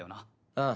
ああ。